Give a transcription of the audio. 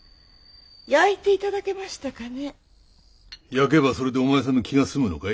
妬けばそれでお前さんの気が済むのかい？